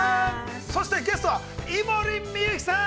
そして、ゲストは井森美幸さん。